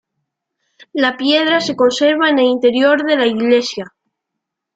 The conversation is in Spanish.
La piedra se conserva en el interior de la iglesia.